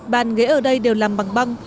bạn ghế ở đây đều làm bằng hồn